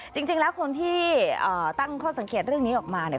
จริงแล้วคนที่ตั้งข้อสังเกตเรื่องนี้ออกมาเนี่ย